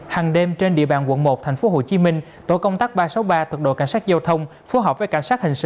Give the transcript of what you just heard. hàng đêm trên địa bàn quận một tp hcm tổ công tác ba trăm sáu mươi ba thuộc đội cảnh sát giao thông phối hợp với cảnh sát hình sự